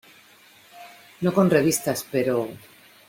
no con revistas, pero...